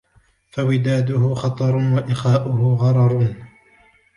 فَوِدَادُهُ خَطَرٌ وَإِخَاؤُهُ غَرَرٌ